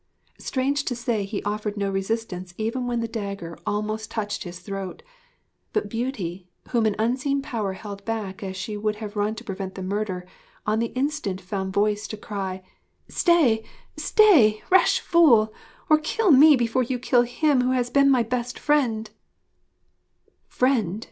Strange to say, he offered no resistance even when the dagger almost touched his throat. But Beauty, whom an unseen power held back as she would have run to prevent the murder, on the instant found voice to cry, 'Stay! Stay, rash fool! or kill me before you kill him who has been my best friend!' 'Friend?'